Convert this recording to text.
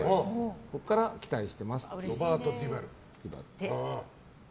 ここから期待してますと。